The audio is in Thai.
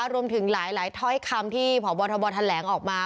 รวมถึงหลายคำที่ผอบทบทลแหลงออกมา